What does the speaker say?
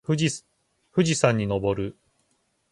富士山にのぼる。